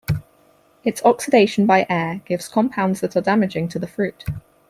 Its oxidation by air gives compounds that are damaging to the fruit.